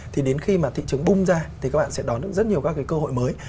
thì đến khi mà thị trường bung ra thì các bạn sẽ đón được rất nhiều các cái cơ hội mới